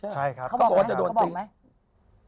ใช่ครับเขาบอกไหม